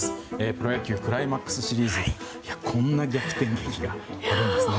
プロ野球クライマックスシリーズこんな逆点劇があるんですね。